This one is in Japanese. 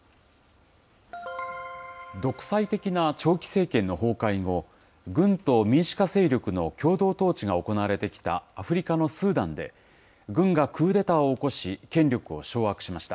独裁的な長期政権の崩壊後、軍と民主化勢力の共同統治が行われてきたアフリカのスーダンで、軍がクーデターを起こし、権力を掌握しました。